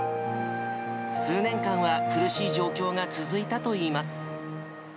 数年間は苦しい状況が続いたといいます。